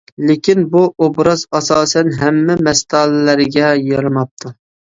لېكىن بۇ ئوبراز ئاساسەن ھەممە مەستانىلەرگە يارىماپتۇ.